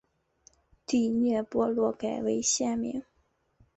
第聂伯罗改为现名。